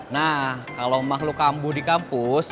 nah kalau emak lo kambuh di kampus